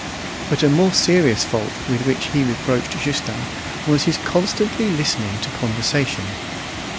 But a more serious fault with which he reproached Justin was his constantly listening to conversation.